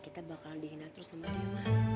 kita bakal dihina terus sama dia mak